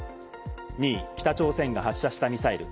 ２位、北朝鮮が発射したミサイル。